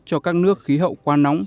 cho các nước khí hậu quá nóng